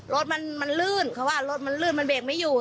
รถมันลื่นเขาว่ารถมันลื่นมันเบรกไม่อยู่